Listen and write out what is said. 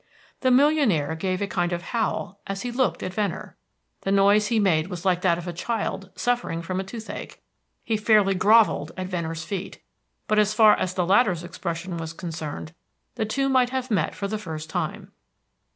The millionaire gave a kind of howl as he looked at Venner. The noise he made was like that of a child suffering from toothache. He fairly grovelled at Venner's feet, but as far as the latter's expression was concerned, the two might have met for the first time.